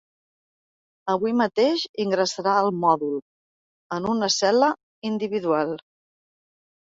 Avui mateix ingressarà al mòdul, en una cel·la individual.